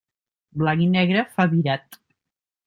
Blanc i negre, fa virat.